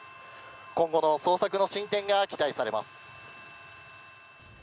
今後の捜索の進展が期待されます。